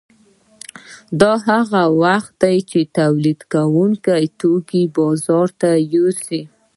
دا هغه وخت دی چې تولیدونکي توکي بازار ته یوسي